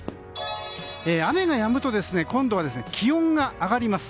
雨がやむと今度は気温が上がります。